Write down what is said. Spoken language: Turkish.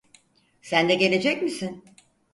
Sen de gelecek misin?